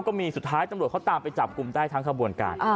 สุดท้ายตำรวจเขาตามไปจับกลุ่มได้ทั้งขบวนการ